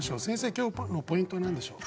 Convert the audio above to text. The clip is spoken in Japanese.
今日のポイントは何でしょう？